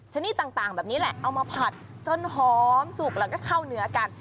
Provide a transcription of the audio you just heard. ชนิดต่างแบบนี้แหละเอามาผัดจนหอมสุกแล้วก็เข้าเนื้อกัน